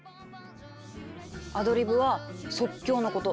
アドリブは「即興」のこと。